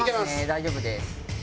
大丈夫です。